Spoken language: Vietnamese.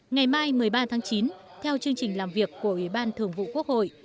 ngày mai một mươi ba tháng chín theo chương trình làm việc của ủy ban thường vụ quốc hội